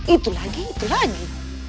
itu lagi itu lagi